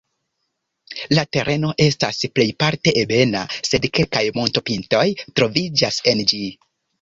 La tereno estas plejparte ebena, sed kelkaj montopintoj troviĝas en ĝi.